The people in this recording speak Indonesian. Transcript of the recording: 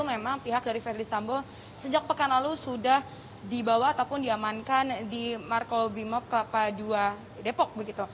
memang pihak dari verdi sambo sejak pekan lalu sudah dibawa ataupun diamankan di marko bimob kelapa dua depok begitu